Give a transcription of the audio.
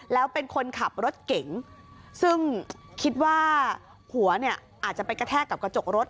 แล้วเป็นคนขับรถเก๋งซึ่งคิดว่าหัวเนี่ยอาจจะไปกระแทกกับกระจกรถ